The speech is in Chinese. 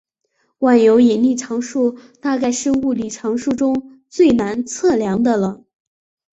万有引力常数大概是物理常数中最难测量的了。